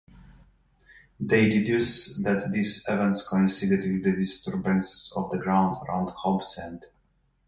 They deduce that these events coincided with disturbances of the ground around Hobbs End.